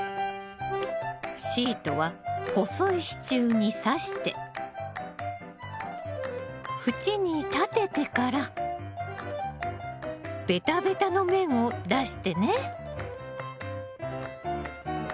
シートは細い支柱にさして縁に立ててからベタベタの面を出してね。